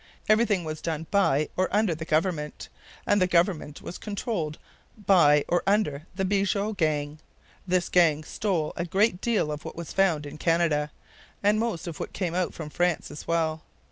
Everything was done by or under the government, and the government was controlled by or under the Bigot gang. This gang stole a great deal of what was found in Canada, and most of what came out from France as well.